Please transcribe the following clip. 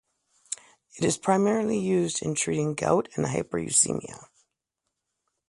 It is primarily used in treating gout and hyperuricemia.